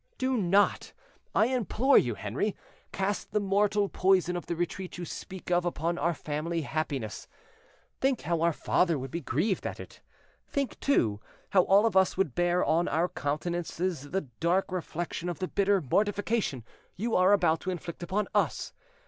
Do not, I implore you, Henri, cast the mortal poison of the retreat you speak of upon our family happiness; think how our father would be grieved at it; think, too, how all of us would bear on our countenances the dark reflection of the bitter mortification you are about to inflict upon us.